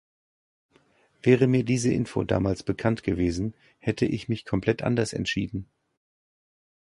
Wäre mir diese Info damals bekannt gewesen, hätte ich mich komplett anders entschieden.